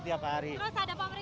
pulang pergi tiap hari